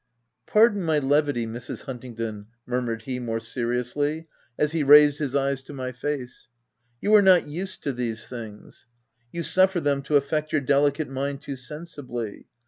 u Pardon my levity, Mrs. Huntingdon," mur mured he, more seriously, as he raised his eyes to my face. u You are not used to these things : you suffer them to affect your delicate mind too sensibly.